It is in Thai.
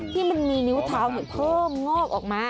ที่มันมีนิ้วเท้าเพิ่มงอกออกมา